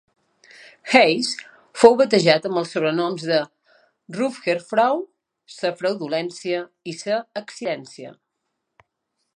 Hayes fou batejat amb els sobrenoms de "Rutherfrau", "Sa Fraudulència" i "Sa Accidència".